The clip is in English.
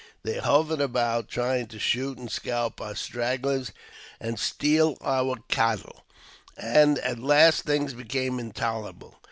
They hovered about, trying to shoot and scalp our stragglers and steal our cattle, and at last things became intolerable.